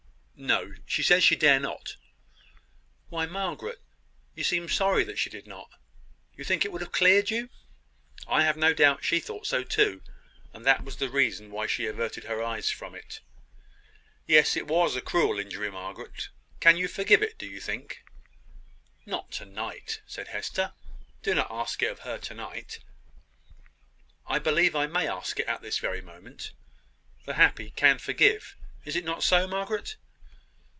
"No. She says she dared not. Why, Margaret, you seem sorry that she did not! You think it would have cleared you. I have no doubt she thought so too; and that that was the reason why she averted her eyes from it. Yes, it was a cruel injury, Margaret. Can you forgive it, do you think?" "Not to night," said Hester. "Do not ask it of her to night." "I believe I may ask it at this very moment. The happy can forgive. Is it not so, Margaret?"